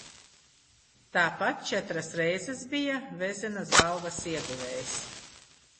Tāpat četras reizes bija Vezinas balvas ieguvējs.